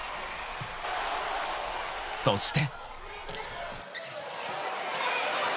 ［そして］